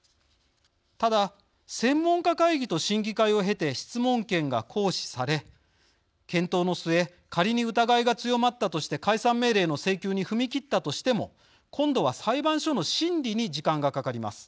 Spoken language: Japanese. ただ、専門家会議と審議会を経て質問権が行使され、検討の末仮に疑いが強まったとして解散命令の請求に踏み切ったとしても今度は裁判所の審理に時間がかかります。